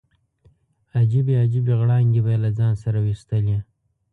عجیبې عجیبې غړانګې به یې له ځان څخه ویستلې.